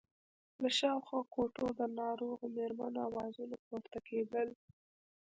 له شاوخوا کوټو د ناروغو مېرمنو آوازونه پورته کېدل.